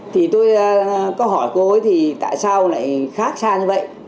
thì tôi có hỏi cô ấy thì tại sao lại khác xa như vậy